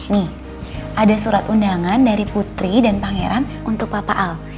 nih ada surat undangan dari putri dan pangeran untuk papa al